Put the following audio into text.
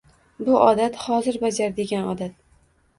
Bu odat hozir bajar degan odat